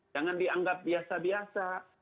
jangan dianggap biasa biasa